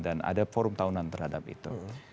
dan ada forum tahunan terhadap itu